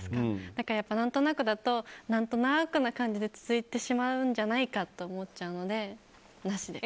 だから何となくだと何となくな感じで続いてしまうんじゃないかと思っちゃうので、なしで。